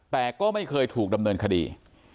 แต่ก็ไม่เคยถูกดำเนินคดี